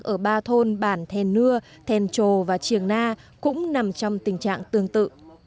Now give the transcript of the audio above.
ở ba thôn bản thèn nưa thèn trồ và triềng na cũng nằm trong tình trạng tương tự